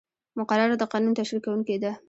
مقرره د قانون تشریح کوونکې ده.